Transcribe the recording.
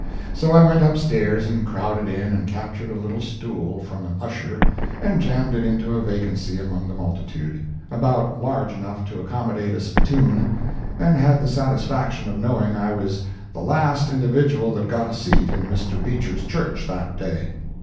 ] So I went upstairs and crowded in and captured a little stool from an usher and jammed it into a vacancy among the multitude, about large enough to accommodate a spittoon, and had the satisfaction of knowing I was the last individual that got a seat in Mr. Beecher's Church that day.